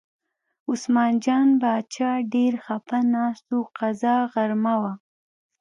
عثمان جان باچا ډېر خپه ناست و، قضا غرمه وه.